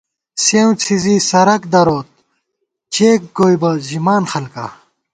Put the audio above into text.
سېوں څھِزی سرَک دروت، چېک گوئیبہ ژِمان خلکا